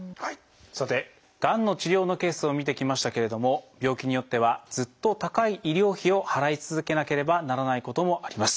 さてがんの治療のケースを見てきましたけれども病気によってはずっと高い医療費を払い続けなければならないこともあります。